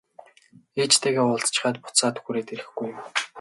Ээжтэйгээ уулзчихаад буцаад хүрээд ирэхгүй юу?